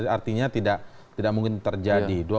artinya tidak mungkin terjadi